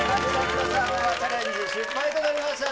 チャレンジ失敗となりました。